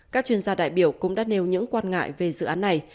các chuyên gia đại biểu cũng đã nêu những quan ngại về dự án này